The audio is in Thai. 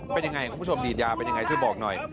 เป็นยังไงคุณผู้ชมดีดยาเป็นยังไงช่วยบอกหน่อย